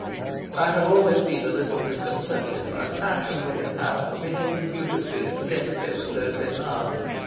I have always been a little disconcerted by the passion women have for behaving beautifully at the death bed of those they love.